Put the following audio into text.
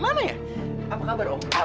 tante harus bersih